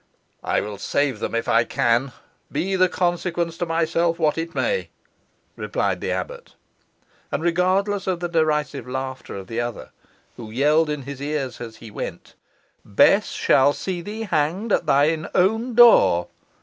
"I will save them if I can, be the consequence to myself what it may," replied the abbot. And, regardless of the derisive laughter of the other, who yelled in his ears as he went, "Bess shall see thee hanged at thy own door!"